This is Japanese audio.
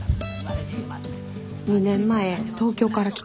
２年前東京から来た。